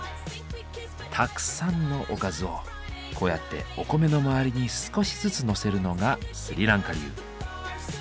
たくさんのおかずをこうやってお米の周りに少しずつのせるのがスリランカ流。